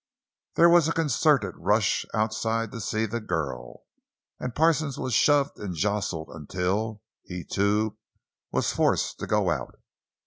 There was a concerted rush outside to see the girl, and Parsons was shoved and jostled until he, too, was forced to go out.